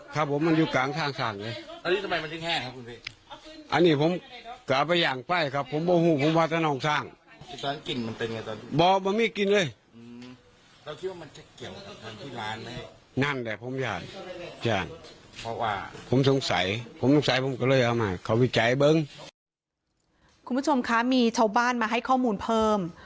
คุณผู้ชมคะมีชาวบ้านมาให้ข้อมูลเพิ่ม